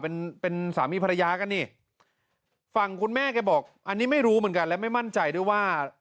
เป็นเป็นสามีภรรยากันนี่ฝั่งคุณแม่แกบอกอันนี้ไม่รู้เหมือนกันและไม่มั่นใจด้วยว่า